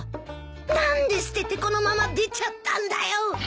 何でステテコのまま出ちゃったんだよ！